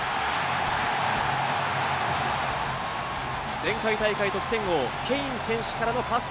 前回大会得点王・ケイン選手からのパス。